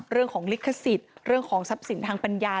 เรื่องของลิขสิทธิ์เรื่องของทรัพย์สินทางปัญญา